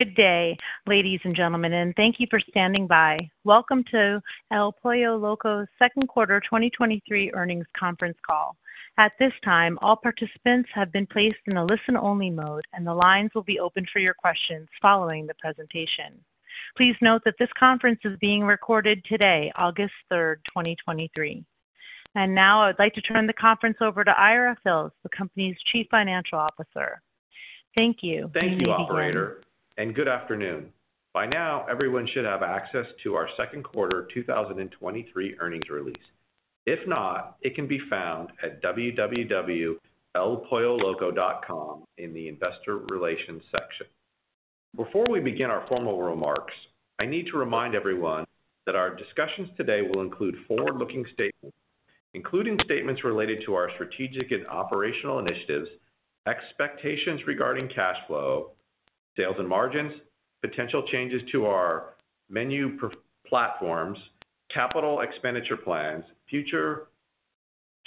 Good day, ladies and gentlemen, and thank you for standing by. Welcome to El Pollo Loco Second Quarter 2023 Earnings Conference Call. At this time, all participants have been placed in a listen-only mode, and the lines will be open for your questions following the presentation. Please note that this conference is being recorded today, August 3, 2023. Now I would like to turn the conference over to Ira Fils, the company's Chief Financial Officer. Thank you. Thank you, operator, good afternoon. By now, everyone should have access to our second quarter 2023 earnings release. If not, it can be found at www.elpolloloco.com in the investor relations section. Before we begin our formal remarks, I need to remind everyone that our discussions today will include forward-looking statements, including statements related to our strategic and operational initiatives, expectations regarding cash flow, sales and margins, potential changes to our menu platforms, capital expenditure plans, future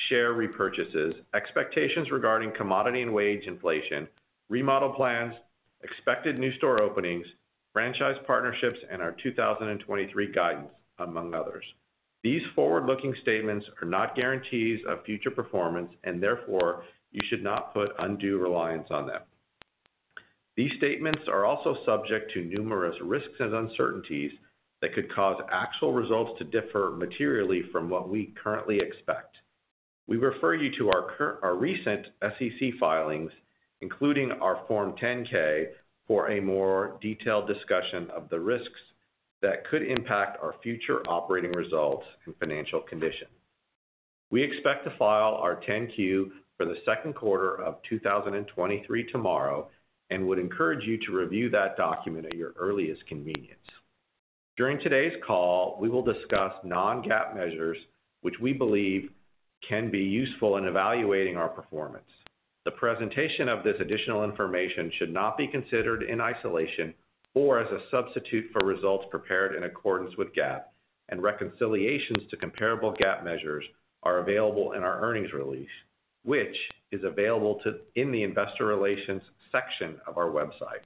share repurchases, expectations regarding commodity and wage inflation, remodel plans, expected new store openings, franchise partnerships, and our 2023 guidance, among others. These forward-looking statements are not guarantees of future performance, and therefore you should not put undue reliance on them. These statements are also subject to numerous risks and uncertainties that could cause actual results to differ materially from what we currently expect. We refer you to our recent SEC filings, including our Form 10-K, for a more detailed discussion of the risks that could impact our future operating results and financial condition. We expect to file our 10-Q for the second quarter of 2023 tomorrow and would encourage you to review that document at your earliest convenience. During today's call, we will discuss non-GAAP measures, which we believe can be useful in evaluating our performance. The presentation of this additional information should not be considered in isolation or as a substitute for results prepared in accordance with GAAP, and reconciliations to comparable GAAP measures are available in our earnings release, which is available in the investor relations section of our website.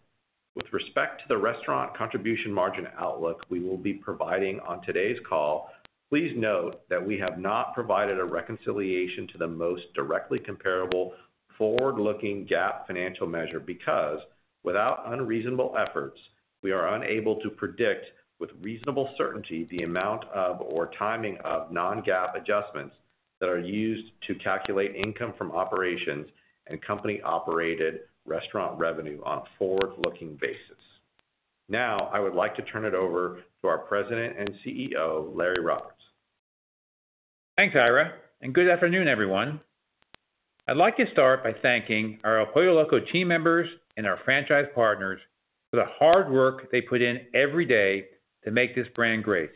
With respect to the restaurant contribution margin outlook we will be providing on today's call, please note that we have not provided a reconciliation to the most directly comparable forward-looking GAAP financial measure because, without unreasonable efforts, we are unable to predict with reasonable certainty the amount of or timing of non-GAAP adjustments that are used to calculate income from operations and company-operated restaurant revenue on a forward-looking basis. Now, I would like to turn it over to our President and CEO, Larry Roberts. Thanks, Ira. Good afternoon, everyone. I'd like to start by thanking our El Pollo Loco team members and our franchise partners for the hard work they put in every day to make this brand great.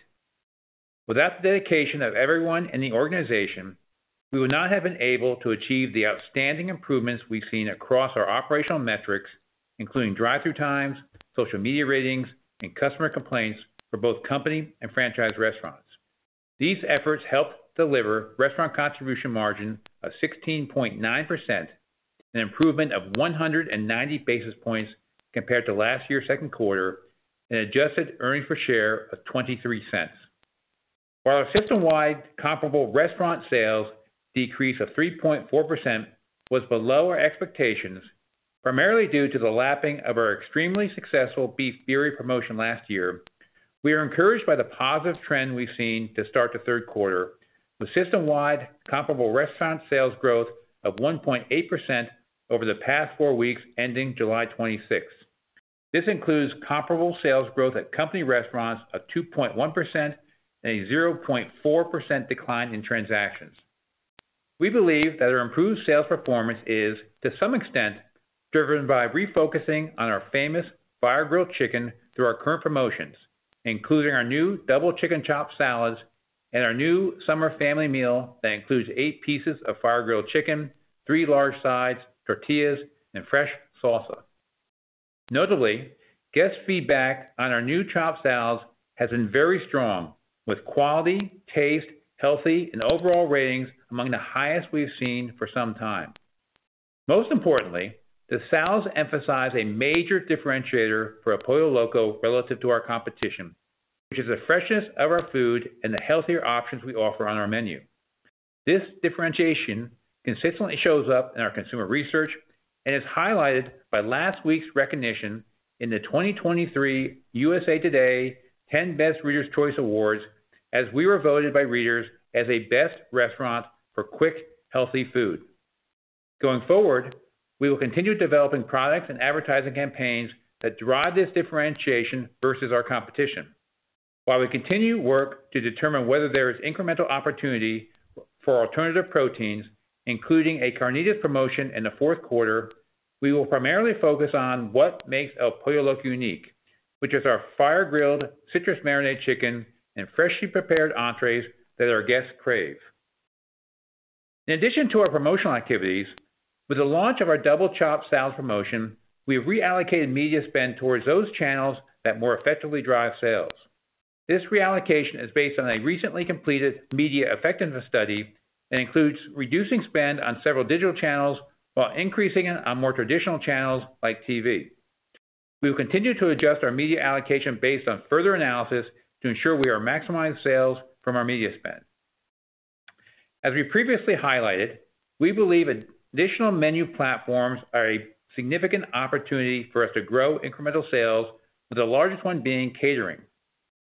Without the dedication of everyone in the organization, we would not have been able to achieve the outstanding improvements we've seen across our operational metrics, including drive-thru times, social media ratings, and customer complaints for both company and franchise restaurants. These efforts helped deliver restaurant contribution margin of 16.9%, an improvement of 190 basis points compared to last year's second quarter, and adjusted earnings per share of $0.23. While our system-wide comparable restaurant sales decrease of 3.4% was below our expectations, primarily due to the lapping of our extremely successful Beef Fury promotion last year, we are encouraged by the positive trend we've seen to start the third quarter, with system-wide comparable restaurant sales growth of 1.8% over the past four weeks, ending July 26. This includes comparable sales growth at company restaurants of 2.1% and a 0.4% decline in transactions. We believe that our improved sales performance is, to some extent, driven by refocusing on our famous fire-grilled chicken through our current promotions, including our new Double Chicken Chopped Salads and our new Summer Family Meal that includes eight pieces of fire-grilled chicken, three large sides, tortillas, and fresh salsa. Notably, guest feedback on our new chop salads has been very strong, with quality, taste, healthy, and overall ratings among the highest we've seen for some time. Most importantly, the salads emphasize a major differentiator for El Pollo Loco relative to our competition, which is the freshness of our food and the healthier options we offer on our menu. This differentiation consistently shows up in our consumer research and is highlighted by last week's recognition in the 2023 USA TODAY 10BEST Readers' Choice Awards, as we were voted by readers as a best restaurant for quick, healthy food. Going forward, we will continue developing products and advertising campaigns that drive this differentiation versus our competition. While we continue work to determine whether there is incremental opportunity for alternative proteins, including a carnitas promotion in the fourth quarter, we will primarily focus on what makes El Pollo Loco unique, which is our fire-grilled, citrus marinated chicken, and freshly prepared entrees that our guests crave. In addition to our promotional activities, with the launch of our Couble Chopped Salads promotion, we have reallocated media spend towards those channels that more effectively drive sales. This reallocation is based on a recently completed media effectiveness study and includes reducing spend on several digital channels while increasing it on more traditional channels like TV. We will continue to adjust our media allocation based on further analysis to ensure we are maximizing sales from our media spend. As we previously highlighted, we believe additional menu platforms are a significant opportunity for us to grow incremental sales, with the largest one being catering.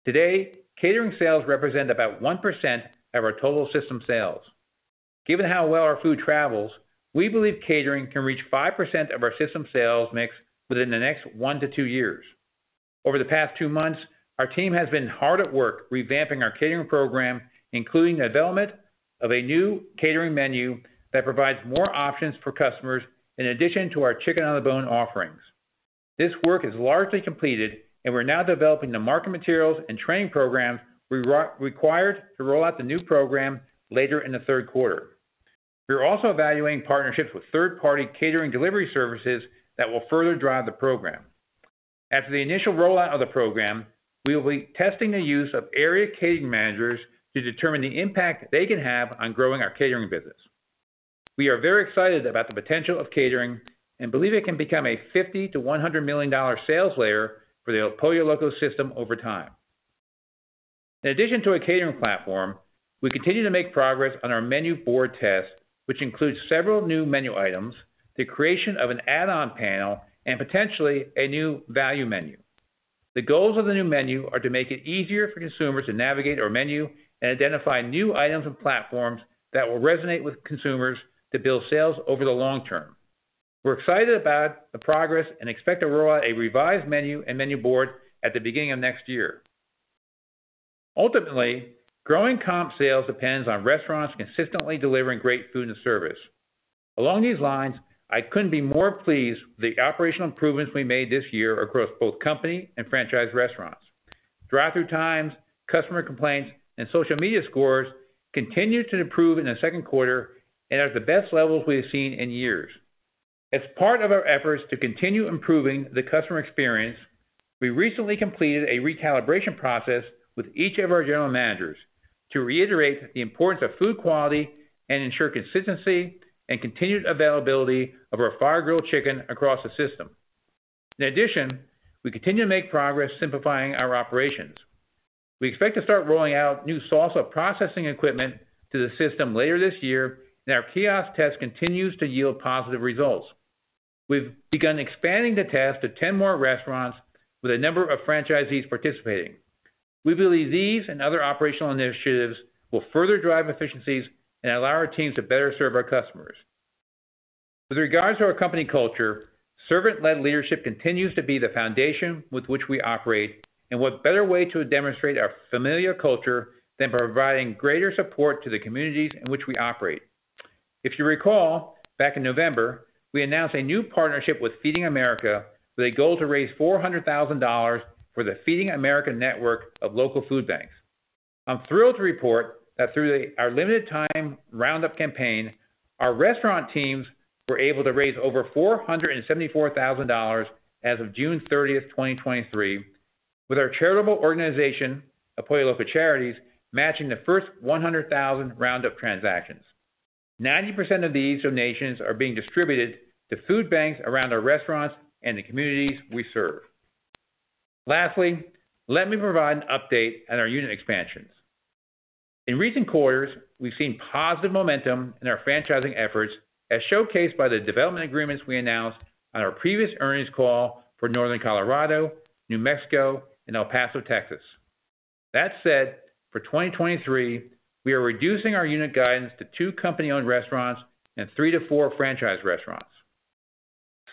Today, catering sales represent about 1% of our total system sales. Given how well our food travels, we believe catering can reach 5% of our system sales mix within the next one to two years. Over the past two months, our team has been hard at work revamping our catering program, including the development of a new catering menu that provides more options for customers in addition to our chicken on the bone offerings. This work is largely completed, and we're now developing the market materials and training programs required to roll out the new program later in the third quarter. We're also evaluating partnerships with third-party catering delivery services that will further drive the program. After the initial rollout of the program, we will be testing the use of area catering managers to determine the impact they can have on growing our catering business. We are very excited about the potential of catering and believe it can become a $50 million-$100 million sales layer for the El Pollo Loco system over time. In addition to a catering platform, we continue to make progress on our menu board test, which includes several new menu items, the creation of an add-on panel, and potentially a new value menu. The goals of the new menu are to make it easier for consumers to navigate our menu and identify new items and platforms that will resonate with consumers to build sales over the long term. We're excited about the progress and expect to roll out a revised menu and menu board at the beginning of next year. Ultimately, growing comp sales depends on restaurants consistently delivering great food and service. Along these lines, I couldn't be more pleased with the operational improvements we made this year across both company and franchise restaurants. Drive-thru times, customer complaints, and social media scores continued to improve in the second quarter and are at the best levels we have seen in years. As part of our efforts to continue improving the customer experience, we recently completed a recalibration process with each of our general managers to reiterate the importance of food quality and ensure consistency and continued availability of our fire-grilled chicken across the system. In addition, we continue to make progress simplifying our operations. We expect to start rolling out new salsa processing equipment to the system later this year, and our kiosk test continues to yield positive results. We've begun expanding the test to 10 more restaurants with a number of franchisees participating. We believe these and other operational initiatives will further drive efficiencies and allow our teams to better serve our customers. With regards to our company culture, servant-led leadership continues to be the foundation with which we operate, and what better way to demonstrate our familiar culture than providing greater support to the communities in which we operate? If you recall, back in November, we announced a new partnership with Feeding America with a goal to raise $400,000 for the Feeding America network of local food banks. I'm thrilled to report that through our limited time roundup campaign, our restaurant teams were able to raise over $474,000 as of June 30th, 2023, with our charitable organization, El Pollo Loco Charities, matching the first 100,000 roundup transactions. 90% of these donations are being distributed to food banks around our restaurants and the communities we serve. Lastly, let me provide an update on our unit expansions. In recent quarters, we've seen positive momentum in our franchising efforts, as showcased by the development agreements we announced on our previous earnings call for Northern Colorado, New Mexico, and El Paso, Texas. That said, for 2023, we are reducing our unit guidance to two company-owned restaurants and 3-4 franchise restaurants.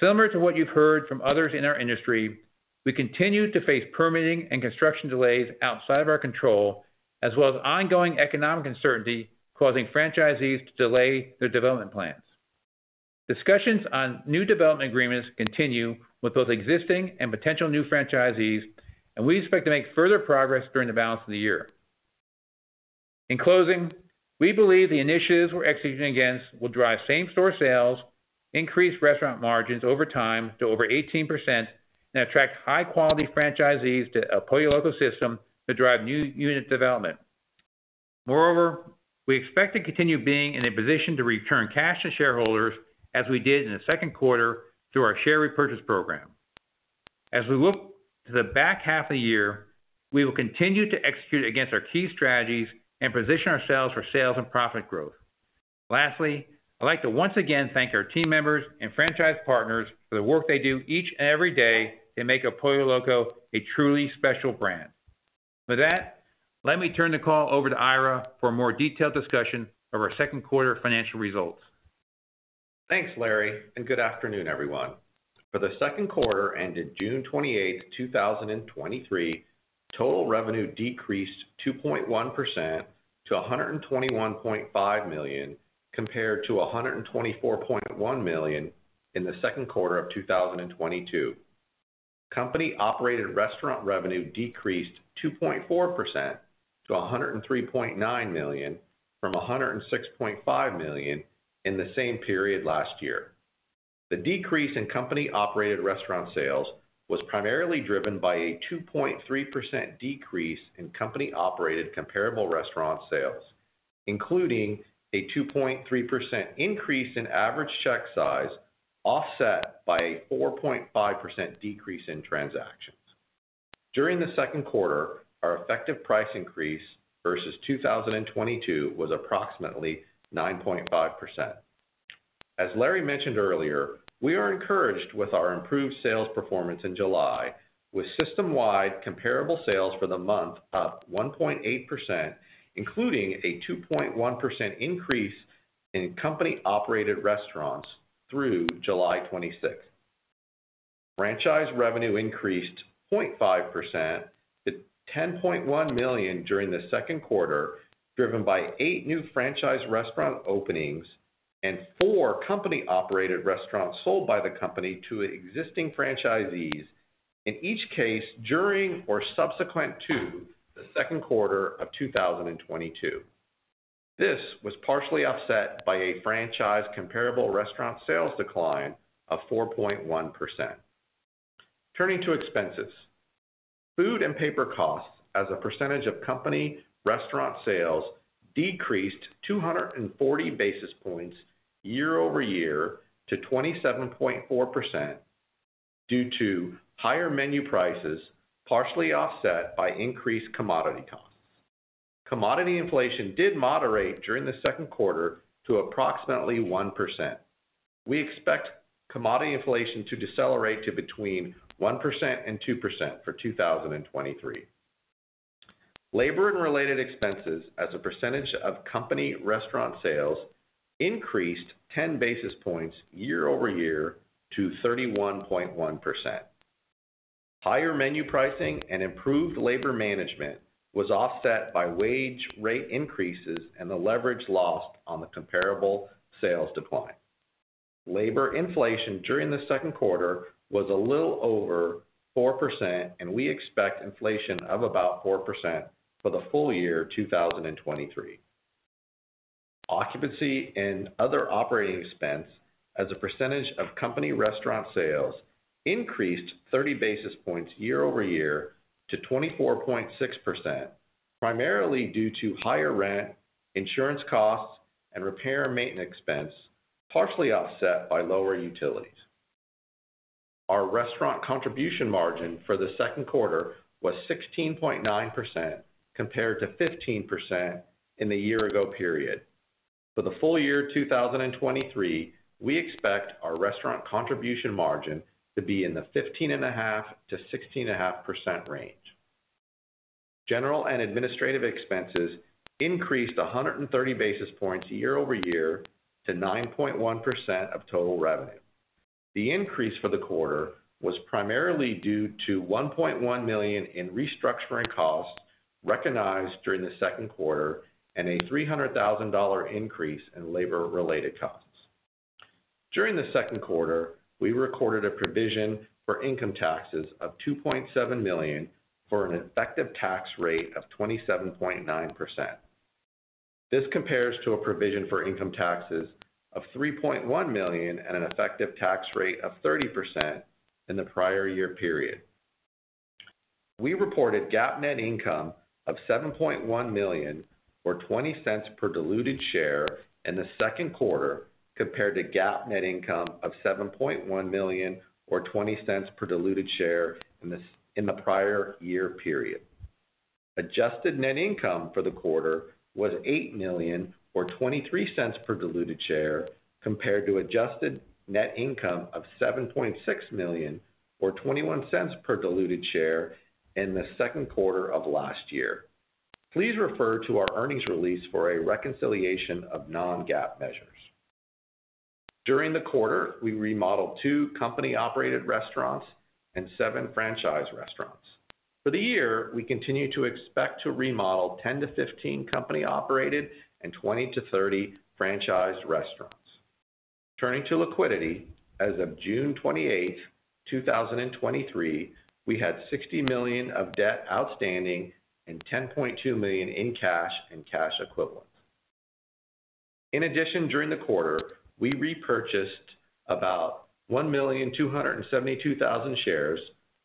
Similar to what you've heard from others in our industry, we continue to face permitting and construction delays outside of our control, as well as ongoing economic uncertainty causing franchisees to delay their development plans. Discussions on new development agreements continue with both existing and potential new franchisees, and we expect to make further progress during the balance of the year. In closing, we believe the initiatives we're executing against will drive same-store sales, increase restaurant margins over time to over 18%, and attract high-quality franchisees to El Pollo Loco system to drive new unit development. Moreover, we expect to continue being in a position to return cash to shareholders, as we did in the second quarter, through our share repurchase program. As we look to the back half of the year, we will continue to execute against our key strategies and position ourselves for sales and profit growth. Lastly, I'd like to once again thank our team members and franchise partners for the work they do each and every day to make El Pollo Loco a truly special brand. With that, let me turn the call over to Ira for a more detailed discussion of our second quarter financial results. Thanks, Larry. Good afternoon, everyone. For the second quarter ended June 28, 2023, total revenue decreased 2.1% to $121.5 million, compared to $124.1 million in the second quarter of 2022. Company-operated restaurant revenue decreased 2.4% to $103.9 million, from $106.5 million in the same period last year. The decrease in company-operated restaurant sales was primarily driven by a 2.3% decrease in company-operated comparable restaurant sales, including a 2.3% increase in average check size, offset by a 4.5% decrease in transactions. During the second quarter, our effective price increase versus 2022 was approximately 9.5%. As Larry mentioned earlier, we are encouraged with our improved sales performance in July, with system-wide comparable sales for the month up 1.8%, including a 2.1% increase in company-operated restaurants through July 26. Franchise revenue increased 0.5% to $10.1 million during the second quarter, driven by eight new franchise restaurant openings and four company-operated restaurants sold by the company to existing franchisees, in each case during or subsequent to the second quarter of 2022. This was partially offset by a franchise comparable restaurant sales decline of 4.1%. Turning to expenses. Food and paper costs as a percentage of company restaurant sales decreased 240 basis points year-over-year to 27.4% due to higher menu prices, partially offset by increased commodity costs. Commodity inflation did moderate during the second quarter to approximately 1%. We expect commodity inflation to decelerate to between 1% and 2% for 2023. Labor and related expenses as a percentage of company restaurant sales increased 10 basis points year-over-year to 31.1%. Higher menu pricing and improved labor management was offset by wage rate increases and the leverage lost on the comparable sales decline. Labor inflation during the second quarter was a little over 4%, and we expect inflation of about 4% for the full year 2023. Occupancy and other operating expense as a percentage of company restaurant sales increased 30 basis points year-over-year to 24.6%, primarily due to higher rent, insurance costs, and repair and maintenance expense, partially offset by lower utilities. Our restaurant contribution margin for the second quarter was 16.9%, compared to 15% in the year ago period. For the full year 2023, we expect our restaurant contribution margin to be in the 15.5%-16.5% range. General and administrative expenses increased 130 basis points year-over-year to 9.1% of total revenue. The increase for the quarter was primarily due to $1.1 million in restructuring costs recognized during the second quarter and a $300,000 increase in labor-related costs. During the second quarter, we recorded a provision for income taxes of $2.7 million, for an effective tax rate of 27.9%. This compares to a provision for income taxes of $3.1 million and an effective tax rate of 30% in the prior year period. We reported GAAP net income of $7.1 million, or $0.20 per diluted share in the second quarter, compared to GAAP net income of $7.1 million, or $0.20 per diluted share in the prior year period. Adjusted net income for the quarter was $8 million or $0.23 per diluted share, compared to adjusted net income of $7.6 million or $0.21 per diluted share in the second quarter of last year. Please refer to our earnings release for a reconciliation of non-GAAP measures. During the quarter, we remodeled two company-operated restaurants and seven franchise restaurants. For the year, we continue to expect to remodel 10-15 company-operated and 20-30 franchise restaurants. Turning to liquidity. As of June 28, 2023, we had $60 million of debt outstanding and $10.2 million in cash and cash equivalents. During the quarter, we repurchased about 1,272,000 shares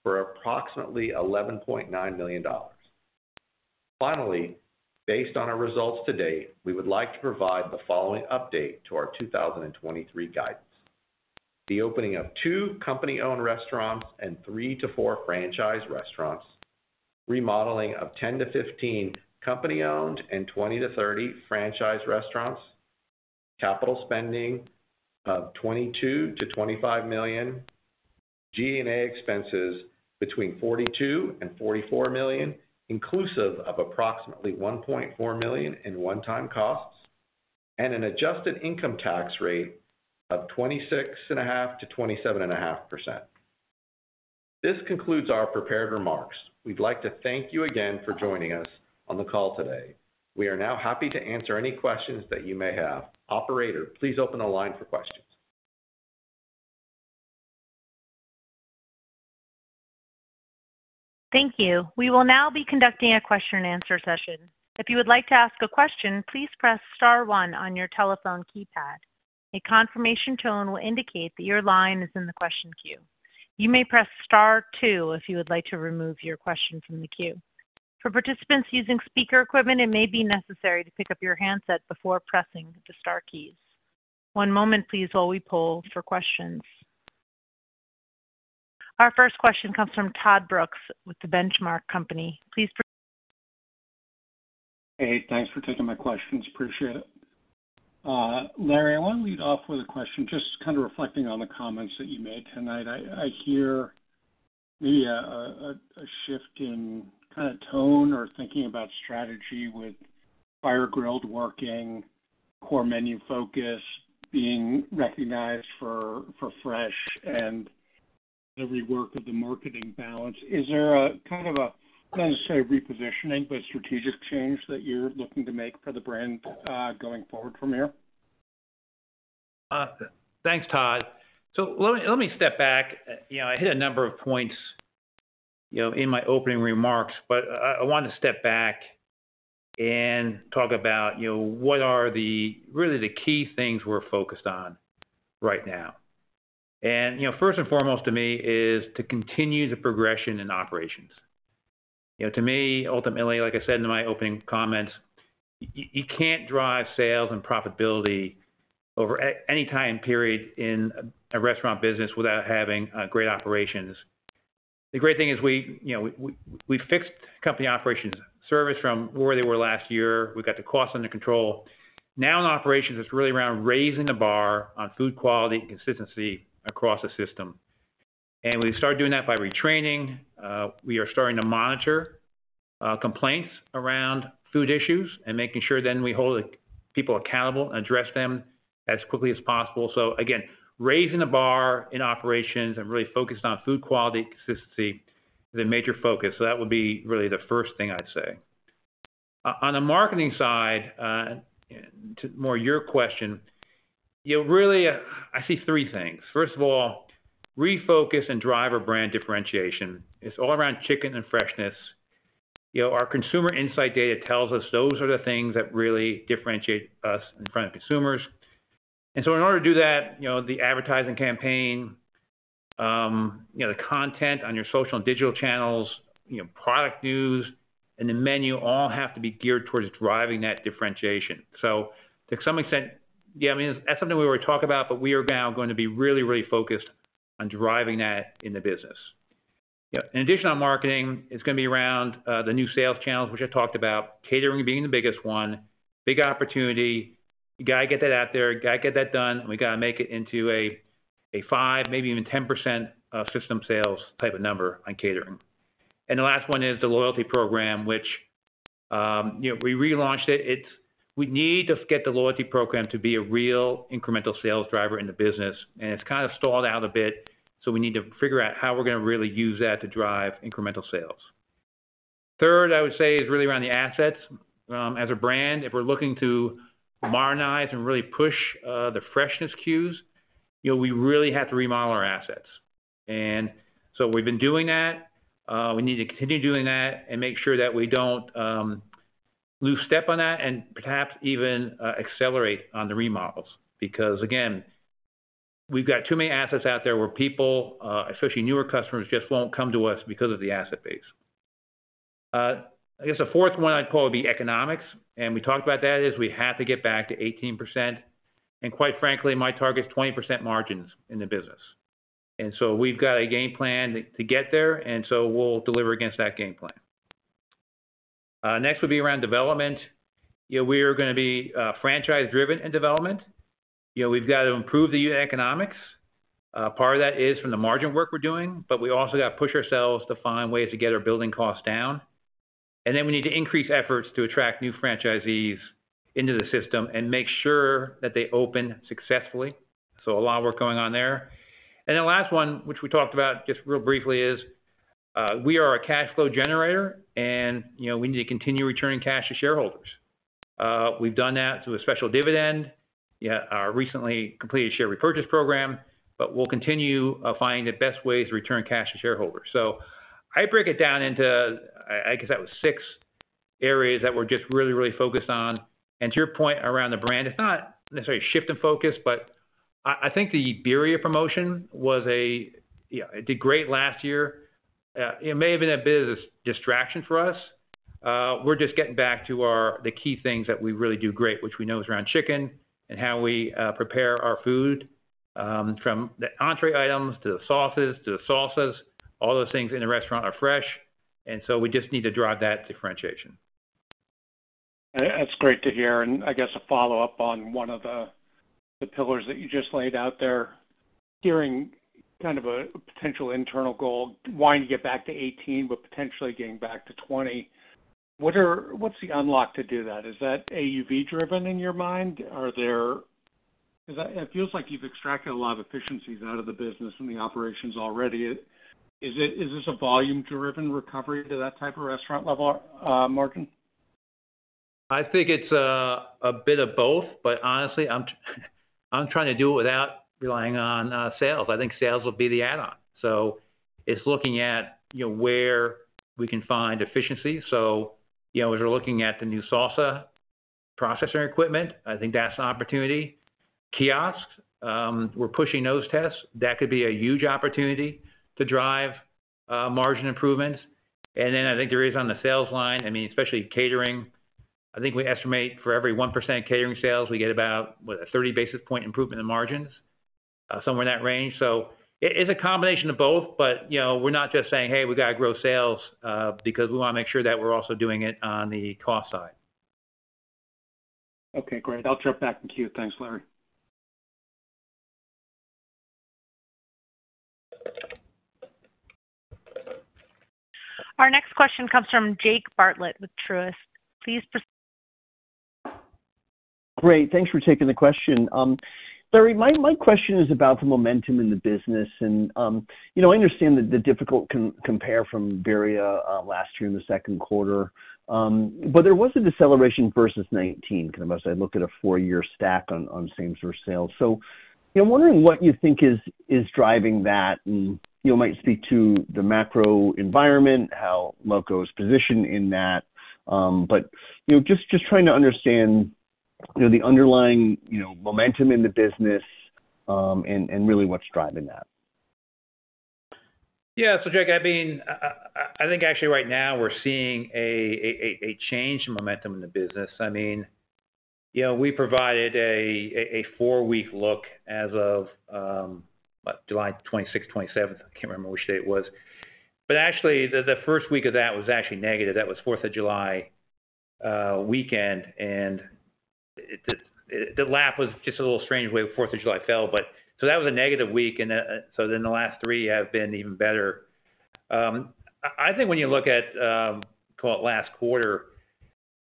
for approximately $11.9 million. Based on our results to date, we would like to provide the following update to our 2023 guidance. The opening of two company-owned restaurants and 3-4 franchise restaurants, remodeling of 10-15 company-owned and 20-30 franchise restaurants, capital spending of $22 million-$25 million, G&A expenses between $42 million and $44 million, inclusive of approximately $1.4 million in one-time costs, and an adjusted income tax rate of 26.5%-27.5%. This concludes our prepared remarks. We'd like to thank you again for joining us on the call today. We are now happy to answer any questions that you may have. Operator, please open the line for questions. Thank you. We will now be conducting a question-and-answer session. If you would like to ask a question, please press star one on your telephone keypad. A confirmation tone will indicate that your line is in the question queue. You may press star two if you would like to remove your question from the queue. For participants using speaker equipment, it may be necessary to pick up your handset before pressing the star keys. One moment, please, while we poll for questions. Our first question comes from Todd Brooks with The Benchmark Company. Please proceed. Hey, thanks for taking my questions. Appreciate it. Larry, I want to lead off with a question, just kind of reflecting on the comments that you made tonight. I hear maybe a shift in kind of tone or thinking about strategy with fire grilled working, core menu focus, being recognized for fresh and every work of the marketing balance. Is there a kind of, I don't want to say repositioning, but strategic change that you're looking to make for the brand going forward from here? Let me step back. You know, I hit a number of points, you know, in my opening remarks, but I want to step back and talk about, you know, what are the really the key things we're focused on right now. You know, first and foremost to me is to continue the progression in operations. You know, to me, ultimately, like I said in my opening comments, you can't drive sales and profitability over any time period in a restaurant business without having great operations. The great thing is we, you know, we fixed company operations service from where they were last year. We got the costs under control. Now, in operations, it's really around raising the bar on food quality and consistency across the system. We started doing that by retraining. We are starting to monitor complaints around food issues and making sure then we hold people accountable and address them as quickly as possible. Again, raising the bar in operations and really focused on food quality, consistency is a major focus. That would be really the first thing I'd say. On the marketing side, to more your question, you know, really, I see three things. First of all, refocus and driver brand differentiation is all around chicken and freshness. You know, our consumer insight data tells us those are the things that really differentiate us in front of consumers. In order to do that, you know, the advertising campaign, you know, the content on your social and digital channels, you know, product news and the menu all have to be geared towards driving that differentiation. To some extent, yeah, I mean, that's something we already talk about, but we are now going to be really, really focused on driving that in the business. Yeah. In addition on marketing, it's going to be around the new sales channels, which I talked about, catering being the biggest one. Big opportunity. You got to get that out there, got to get that done, and we got to make it into a five, maybe even 10% system sales type of number on catering. The last one is the loyalty program, which, you know, we relaunched it. We need to get the loyalty program to be a real incremental sales driver in the business, and it's kind of stalled out a bit, so we need to figure out how we're going to really use that to drive incremental sales. Third, I would say, is really around the assets. As a brand, if we're looking to modernize and really push, the freshness cues, you know, we really have to remodel our assets. We've been doing that. We need to continue doing that and make sure that we don't lose step on that and perhaps even accelerate on the remodels. Again, we've got too many assets out there where people, especially newer customers, just won't come to us because of the asset base. I guess a fourth one I'd call the economics, and we talked about that, is we have to get back to 18%. Quite frankly, my target is 20% margins in the business. We've got a game plan to get there, and so we'll deliver against that game plan. Next would be around development. You know, we are gonna be franchise-driven in development. You know, we've got to improve the economics. Part of that is from the margin work we're doing, but we also got to push ourselves to find ways to get our building costs down. Then we need to increase efforts to attract new franchisees into the system and make sure that they open successfully. A lot of work going on there. Then the last one, which we talked about just real briefly, is, we are a cash flow generator and, you know, we need to continue returning cash to shareholders. We've done that through a special dividend, yeah, recently completed share repurchase program, but we'll continue finding the best ways to return cash to shareholders. I break it down into, I guess that was six areas that we're just really, really focused on. To your point around the brand, it's not necessarily a shift in focus, but I think the birria promotion was a, yeah, it did great last year. It may have been a bit of a distraction for us. We're just getting back to the key things that we really do great, which we know is around chicken and how we prepare our food, from the entree items to the sauces, to the salsas. All those things in the restaurant are fresh, and so we just need to drive that differentiation. That's great to hear, and I guess a follow-up on one of the, the pillars that you just laid out there. Hearing kind of a potential internal goal, wanting to get back to 18, but potentially getting back to 20, what's the unlock to do that? Is that AUV driven in your mind? Are there? Because it feels like you've extracted a lot of efficiencies out of the business and the operations already. Is it, is this a volume-driven recovery to that type of restaurant-level margin? I think it's, a bit of both, but honestly, I'm I'm trying to do it without relying on, sales. I think sales will be the add-on. It's looking at, you know, where we can find efficiency. You know, we're looking at the new salsa processing equipment. I think that's an opportunity. Kiosks, we're pushing those tests. That could be a huge opportunity to drive, margin improvements. And then I think there is, on the sales line, I mean, especially catering, I think we estimate for every 1% catering sales, we get about, what? A 30 basis point improvement in margins, somewhere in that range. It's a combination of both. But, you know, we're not just saying, "Hey, we gotta grow sales" because we wanna make sure that we're also doing it on the cost side. Okay, great. I'll jump back in queue. Thanks, Larry. Our next question comes from Jake Bartlett with Truist. Please proceed. Great, thanks for taking the question. Larry, my, my question is about the momentum in the business. You know, I understand that the difficult compare from birria, last year in the second quarter. There was a deceleration versus 2019, because I looked at a four-year stack on, on same-store sales. You know, I'm wondering what you think is, is driving that, and you might speak to the macro environment, how Moco is positioned in that. You know, just, just trying to understand, you know, the underlying, you know, momentum in the business, and, and really what's driving that. Yeah. Jake, I mean, I, I think actually right now we're seeing a change in momentum in the business. I mean, you know, we provided a four-week look as of, what? July 26th, 27th. I can't remember which day it was. Actually, the first week of that was actually negative. That was Fourth of July weekend, and the lap was just a little strange way the Fourth of July fell, but so that was a negative week, and so then the last three have been even better. I, I think when you look at, call it last quarter,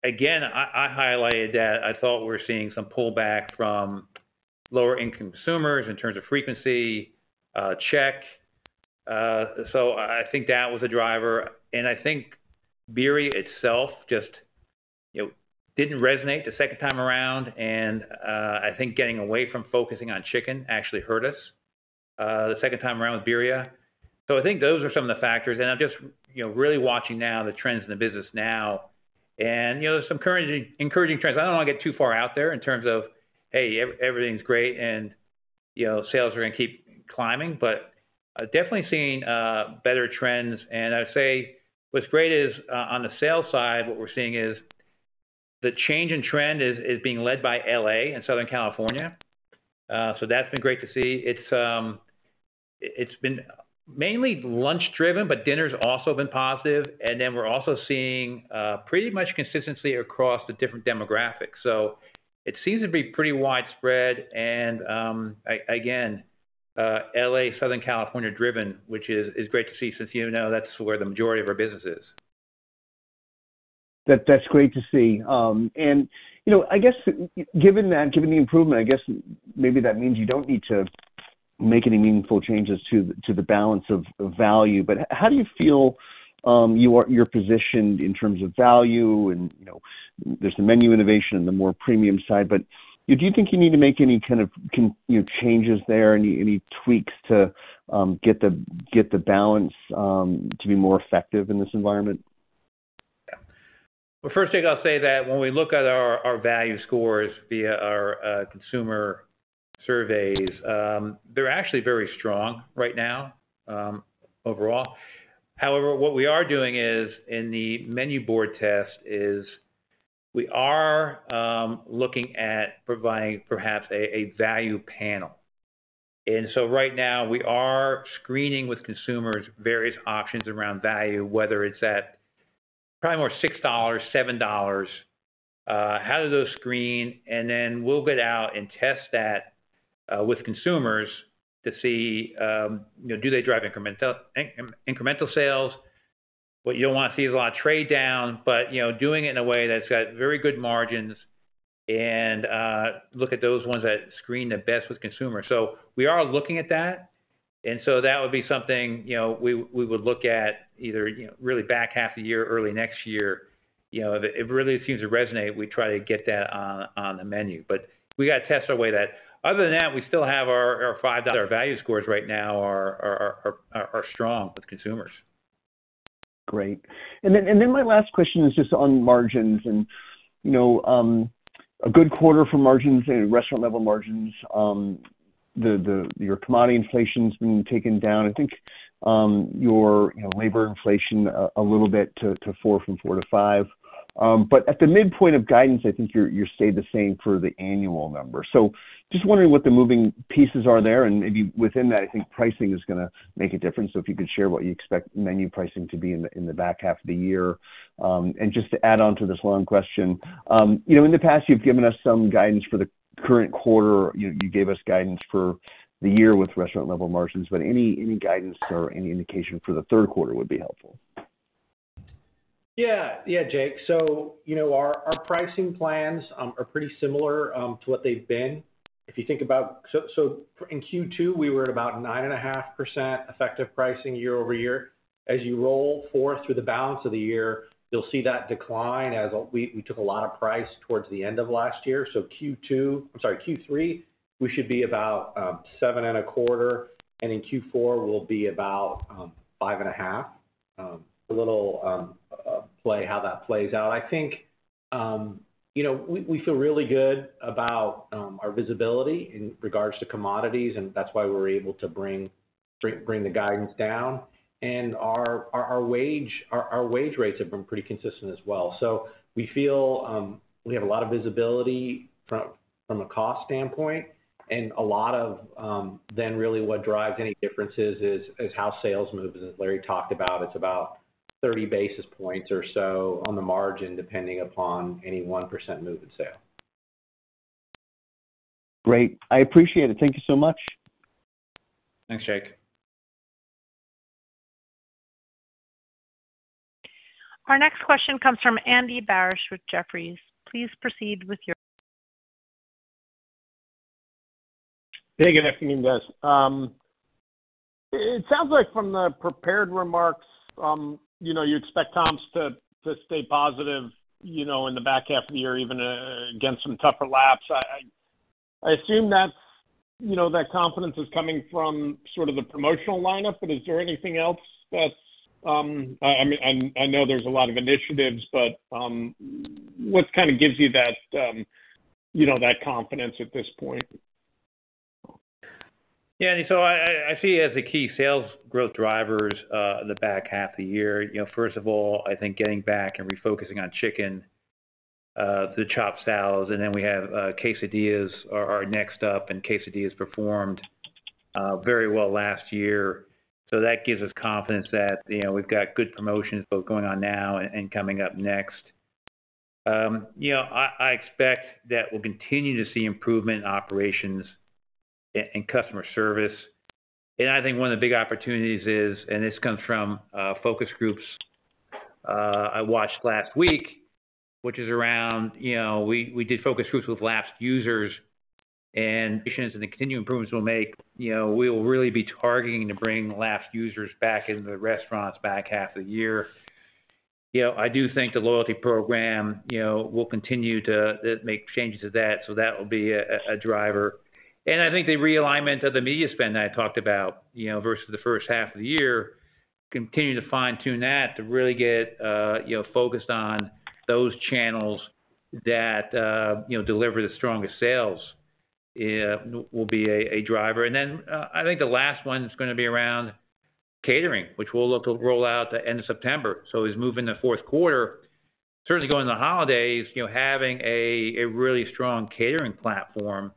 again, I, I highlighted that I thought we were seeing some pullback from lower-income consumers in terms of frequency, check. I, I think that was a driver, and I think birria itself just, you know, didn't resonate the second time around. I think getting away from focusing on chicken actually hurt us, the second time around with birria. I think those are some of the factors, and I'm just, you know, really watching now the trends in the business now. You know, there's some encouraging, encouraging trends. I don't wanna get too far out there in terms of, hey, ev-everything's great, and, you know, sales are gonna keep climbing, but definitely seeing better trends. I'd say what's great is o-on the sales side, what we're seeing is the change in trend is, is being led by L.A. and Southern California. That's been great to see. It's been mainly lunch-driven, but dinner's also been positive. We're also seeing pretty much consistency across the different demographics, so it seems to be pretty widespread. Again, L.A., Southern California-driven, which is, is great to see since, you know, that's where the majority of our business is. That, that's great to see. You know, I guess, given that, given the improvement, I guess maybe that means you don't need to make any meaningful changes to the, to the balance of, of value. How do you feel, you're positioned in terms of value and, you know, there's the menu innovation and the more premium side, but do you think you need to make any kind of you know, changes there, any, any tweaks to get the balance to be more effective in this environment? Well, first thing, I'll say that when we look at our, our value scores via our consumer surveys, they're actually very strong right now, overall. However, what we are doing is, in the menu board test, is we are looking at providing perhaps a, a value panel. So right now, we are screening with consumers various options around value, whether it's at probably more $6, $7, how do those screen? Then we'll get out and test that with consumers to see, you know, do they drive incremental sales? What you don't want to see is a lot of trade down, but, you know, doing it in a way that's got very good margins and look at those ones that screen the best with consumers. We are looking at that, and so that would be something, you know, we would look at either, you know, really back half the year or early next year. You know, if it really seems to resonate, we try to get that on, on the menu, but we gotta test our way that. Other than that, we still have our, our $5 value scores right now are strong with consumers. Great. My last question is just on margins. You know, a good quarter for margins and restaurant level margins. Your commodity inflation's been taken down. I think, you know, labor inflation a little bit to 4% from 4%-5%. At the midpoint of guidance, I think you stayed the same for the annual number. Just wondering what the moving pieces are there, and maybe within that, I think pricing is gonna make a difference. If you could share what you expect menu pricing to be in the back half of the year. Just to add on to this long question, you know, in the past, you've given us some guidance for the current quarter. You gave us guidance for the year with restaurant level margins, but any, any guidance or any indication for the third quarter would be helpful. Yeah. Yeah, Jake. You know, our, our pricing plans are pretty similar to what they've been. If you think about in Q2, we were at about 9.5% effective pricing year-over-year. As you roll forward through the balance of the year, you'll see that decline as we, we took a lot of price towards the end of last year. Q2, I'm sorry, Q3, we should be about 7.25%, and in Q4 we'll be about 5.5%. A little play, how that plays out. I think, you know, we, we feel really good about our visibility in regards to commodities, and that's why we were able to bring, bring, bring the guidance down. Our wage, our wage rates have been pretty consistent as well. We feel, we have a lot of visibility from, from a cost standpoint and a lot of, then really what drives any differences is, is how sales moves, as Larry talked about, it's about 30 basis points or so on the margin, depending upon any 1% move in sale. Great. I appreciate it. Thank you so much. Thanks, Jake. Our next question comes from Andy Barish with Jefferies. Please proceed. Hey, good afternoon, guys. It sounds like from the prepared remarks, you know, you expect comps to stay positive, you know, in the back half of the year, even against some tougher laps. I assume that's, you know, that confidence is coming from sort of the promotional lineup, but is there anything else that's? I know there's a lot of initiatives, but what kind of gives you that, you know, that confidence at this point? Yeah, so I see it as a key sales growth drivers, in the back half of the year. You know, first of all, I think getting back and refocusing on chicken, the chop salads, and then we have, quesadillas are next up, and quesadillas performed, very well last year. That gives us confidence that, you know, we've got good promotions both going on now and coming up next. You know, I expect that we'll continue to see improvement in operations and customer service. I think one of the big opportunities is, and this comes from, focus groups, I watched last week, which is around, you know, we, we did focus groups with lapsed users and additions, and the continued improvements we'll make, you know, we will really be targeting to bring lapsed users back into the restaurants back half of the year. You know, I do think the loyalty program, you know, will continue to, to make changes to that, so that will be a driver. I think the realignment of the media spend that I talked about, you know, versus the first half of the year, continue to fine-tune that to really get, you know, focused on those channels that, you know, deliver the strongest sales, will, will be a, a driver. I think the last one is gonna be around catering, which we'll look to roll out at the end of September. As we move in the fourth quarter, certainly going into the holidays, you know, having a really strong catering platform,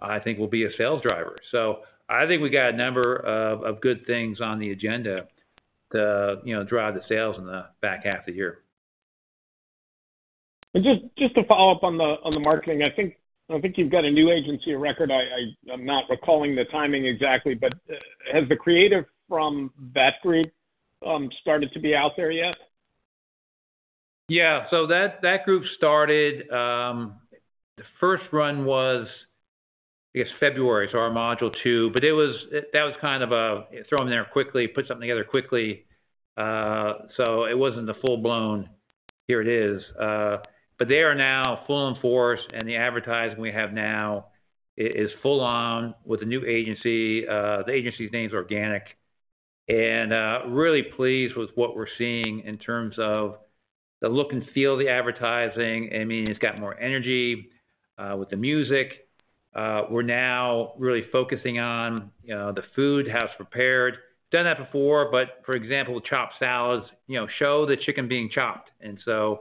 I think will be a sales driver. I think we got a number of good things on the agenda to, you know, drive the sales in the back half of the year. Just, just to follow up on the, on the marketing, I think, I think you've got a new agency of record. I, I'm not recalling the timing exactly, but has the creative from that group started to be out there yet? Yeah. That, that group started, the first run was, I guess, February, so our module two, that was kind of a throw them in there quickly, put something together quickly, so it wasn't the full-blown, "Here it is." They are now full in force, and the advertising we have now is full on with a new agency. The agency's name is Organic, and really pleased with what we're seeing in terms of the look and feel of the advertising. I mean, it's got more energy, with the music. We're now really focusing on, you know, the food, how it's prepared. Done that before, but for example, chop salads, you know, show the chicken being chopped, and so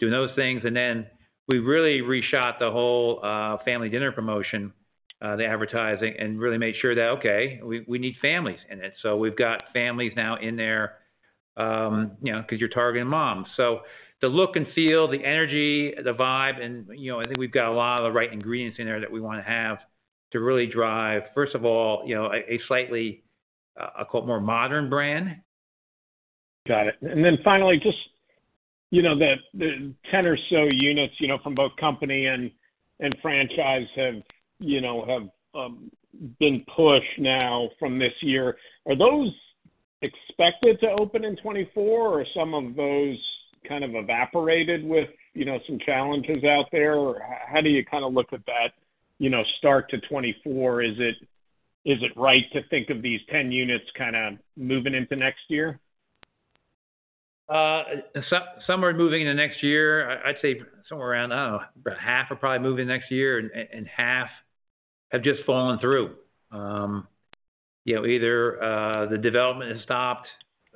doing those things. Then we really reshot the whole family dinner promotion, the advertising, and really made sure that, okay, we, we need families in it. We've got families now in there, you know, because you're targeting moms. The look and feel, the energy, the vibe, and, you know, I think we've got a lot of the right ingredients in there that we wanna have to really drive, first of all, you know, a slightly, I'll call it, more modern brand. Got it. Then finally, just, you know, the, the 10 or so units, you know, from both company and, and franchise have, you know, have been pushed now from this year. Are those expected to open in 2024, or are some of those kind of evaporated with, you know, some challenges out there? Or how do you kind of look at that, you know, start to 2024? Is it, is it right to think of these 10 units kind of moving into next year? Some, some are moving into next year. I'd say somewhere around, about half are probably moving next year and, and half have just fallen through. You know, either the development has stopped,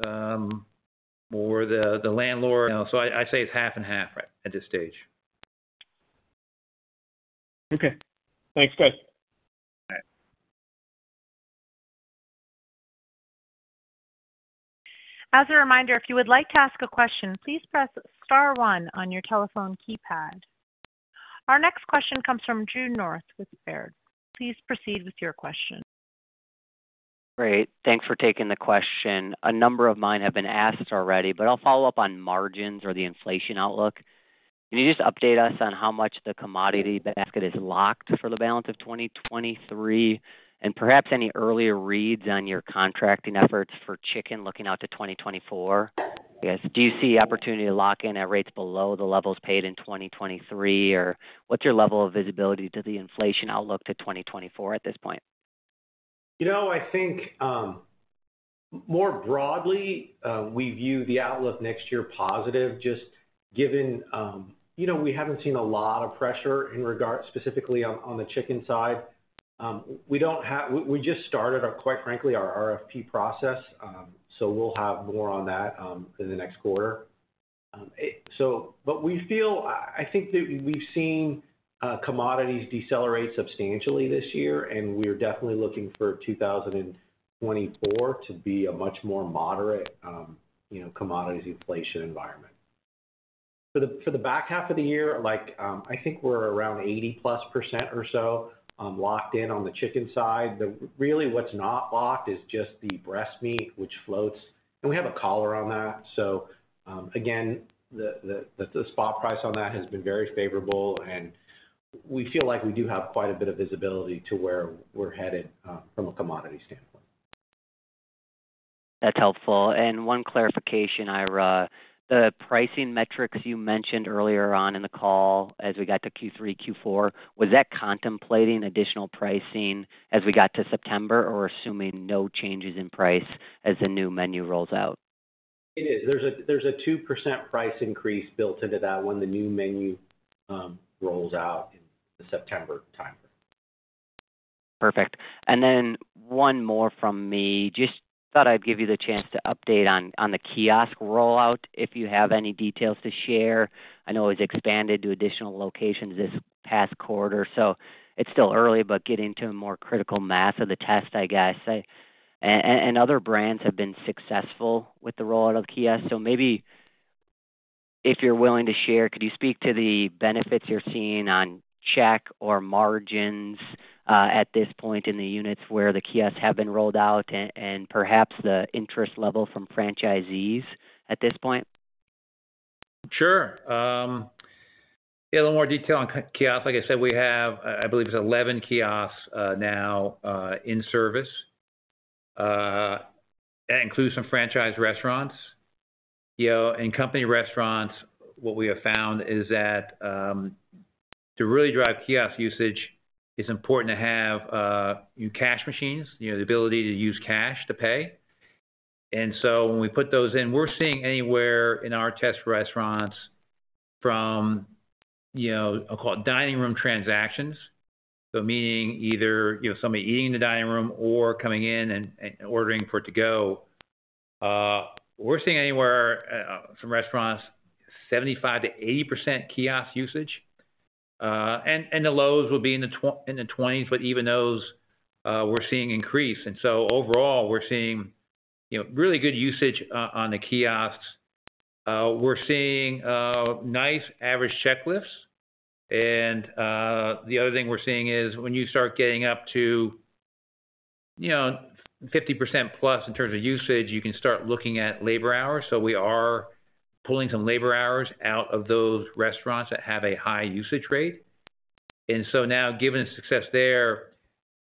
or the, the landlord. You know, I, I'd say it's 50/50 right, at this stage. Okay. Thanks, guys. All right. As a reminder, if you would like to ask a question, please press star 1 on your telephone keypad. Our next question comes from June North with Baird. Please proceed with your question. Great. Thanks for taking the question. A number of mine have been asked already, but I'll follow up on margins or the inflation outlook. Can you just update us on how much the commodity basket is locked for the balance of 2023? Perhaps any earlier reads on your contracting efforts for chicken looking out to 2024? I guess, do you see opportunity to lock in at rates below the levels paid in 2023? What's your level of visibility to the inflation outlook to 2024 at this point? You know, I think, more broadly, we view the outlook next year positive, just given, you know, we haven't seen a lot of pressure in regards specifically on, on the chicken side. We just started, quite frankly, our RFP process, so we'll have more on that in the next quarter. We feel, I think that we've seen commodities decelerate substantially this year, and we are definitely looking for 2024 to be a much more moderate, you know, commodities inflation environment. For the, for the back half of the year, like, I think we're around 80%+ or so, locked in on the chicken side. Really, what's not locked is just the breast meat, which floats, and we have a collar on that. Again, the, the, the spot price on that has been very favorable, and we feel like we do have quite a bit of visibility to where we're headed, from a commodity standpoint. That's helpful. One clarification, Ira: the pricing metrics you mentioned earlier on in the call as we got to Q3, Q4, was that contemplating additional pricing as we got to September, or assuming no changes in price as the new menu rolls out? It is. There's a, there's a 2% price increase built into that when the new menu rolls out in the September timeframe. Perfect. One more from me. Just thought I'd give you the chance to update on the kiosk rollout, if you have any details to share. I know it's expanded to additional locations this past quarter, so it's still early, but getting to a more critical mass of the test, I guess. Other brands have been successful with the rollout of the kiosk. Maybe if you're willing to share, could you speak to the benefits you're seeing on check or margins at this point in the units where the kiosks have been rolled out and perhaps the interest level from franchisees at this point? Sure. A little more detail on kiosks. Like I said, we have, I believe it's 11 kiosks, now, in service. That includes some franchise restaurants. You know, in company restaurants, what we have found is that, to really drive kiosk usage, it's important to have cash machines, you know, the ability to use cash to pay. When we put those in, we're seeing anywhere in our test restaurants from, you know, I'll call it dining room transactions, so meaning either, you know, somebody eating in the dining room or coming in and, and ordering for it to go. We're seeing anywhere, some restaurants, 75%-80% kiosk usage, and, and the lows will be in the 20s, but even those, we're seeing increase. Overall, we're seeing, you know, really good usage on the kiosks. We're seeing nice average check lists. The other thing we're seeing is when you start getting up to, you know, 50%+ in terms of usage, you can start looking at labor hours. We are pulling some labor hours out of those restaurants that have a high usage rate. Now, given the success there,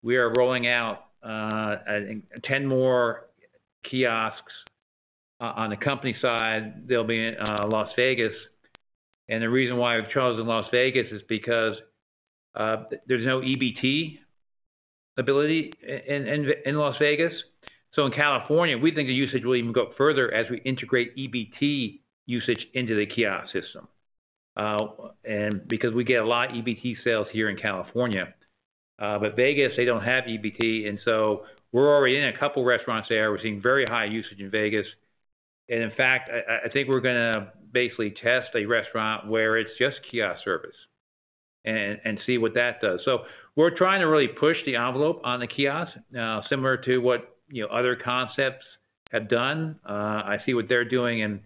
we are rolling out, I think 10 more kiosks on the company side. They'll be in Las Vegas. The reason why I've chosen Las Vegas is because there's no EBT ability in Las Vegas. In California, we think the usage will even go up further as we integrate EBT usage into the kiosk system, and because we get a lot of EBT sales here in California. Vegas, they don't have EBT, and so we're already in a couple of restaurants there. We're seeing very high usage in Vegas. In fact, I think we're gonna basically test a restaurant where it's just kiosk service and, and see what that does. We're trying to really push the envelope on the kiosk, similar to what, you know, other concepts have done. I see what they're doing, and,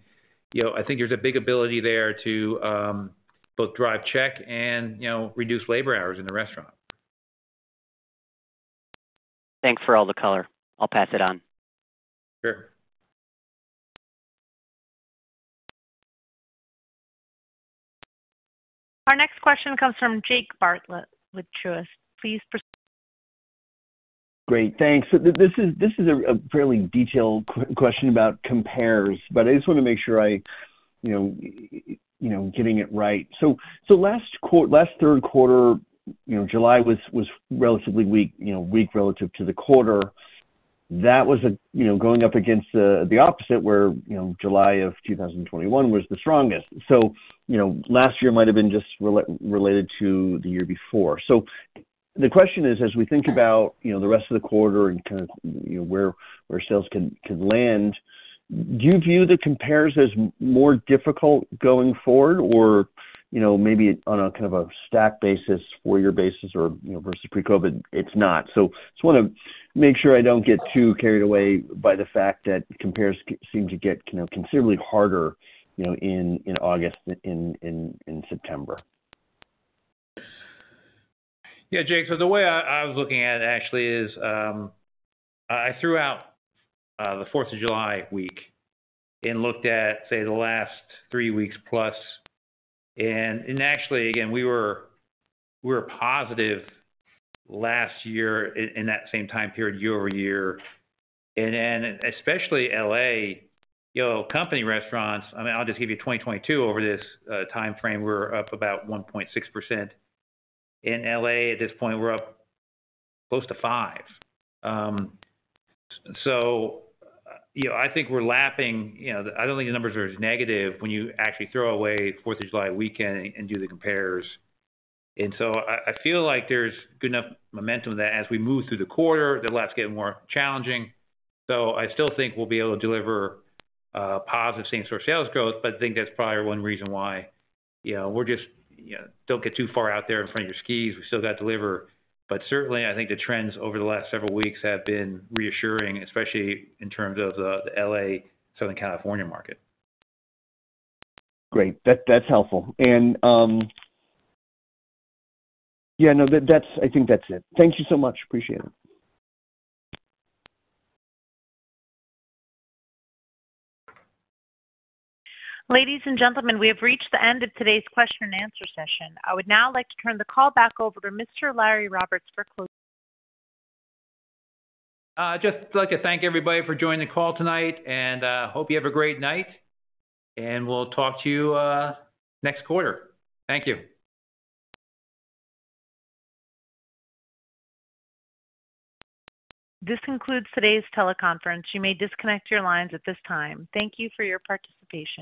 you know, I think there's a big ability there to both drive check and, you know, reduce labor hours in the restaurant. Thanks for all the color. I'll pass it on. Sure. Our next question comes from Jake Bartlett with Truist. Please proceed. Great, thanks. This is, this is a fairly detailed question about compares, but I just want to make sure I, you know, you know, getting it right. Last third quarter, you know, July was, was relatively weak, you know, weak relative to the quarter. That was a, you know, going up against the, the opposite where, you know, July of 2021 was the strongest. You know, last year might have been just related to the year before. The question is, as we think about, you know, the rest of the quarter and kind of, you know, where, where sales can, can land, do you view the compares as more difficult going forward? Or, you know, maybe on a kind of a stack basis, four-year basis, or, you know, versus pre-COVID, it's not. Just want to make sure I don't get too carried away by the fact that compares seem to get, you know, considerably harder, you know, in August, in September. Yeah, Jake, the way I was looking at it actually is, I threw out the 4th of July week and looked at, say, the last three weeks plus. Actually, again, we were, we were positive last year in that same time period, year-over-year, and then especially L.A., you know, company restaurants. I mean, I'll just give you 2022 over this time frame, we're up about 1.6%. In L.A., at this point, we're up close to five. You know, I think we're lapping, you know, I don't think the numbers are as negative when you actually throw away 4th of July weekend and do the compares. I feel like there's good enough momentum that as we move through the quarter, the last get more challenging. I still think we'll be able to deliver positive same-store sales growth, but I think that's probably one reason why, you know, we're just, you know, don't get too far out there in front of your skis. We still got to deliver. Certainly, I think the trends over the last several weeks have been reassuring, especially in terms of the, the L.A., Southern California market. Great. That, that's helpful. Yeah, no, I think that's it. Thank you so much. Appreciate it. Ladies and gentlemen, we have reached the end of today's question and answer session. I would now like to turn the call back over to Mr. Larry Roberts for closing. Just like to thank everybody for joining the call tonight, and hope you have a great night, and we'll talk to you next quarter. Thank you. This concludes today's teleconference. You may disconnect your lines at this time. Thank you for your participation.